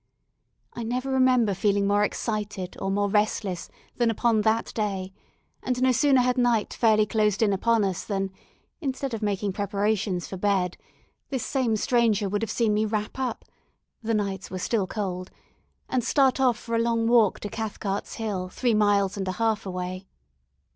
I never remember feeling more excited or more restless than upon that day, and no sooner had night fairly closed in upon us than, instead of making preparations for bed, this same stranger would have seen me wrap up the nights were still cold and start off for a long walk to Cathcart's Hill, three miles and a half away.